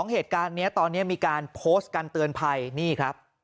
เหตุการณ์นี้ตอนนี้มีการโพสต์การเตือนภัยนี่ครับ